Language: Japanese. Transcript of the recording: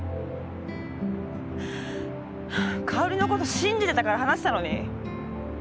香織のこと信じてたから話したのに。